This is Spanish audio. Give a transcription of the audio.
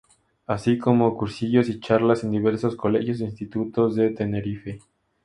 Así como cursillos y charlas en diversos colegios e institutos de Tenerife.